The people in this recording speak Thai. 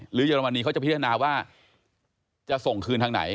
หรือตรงนี้เค้าจะพินาณว่าจะส่งคืนทางไหน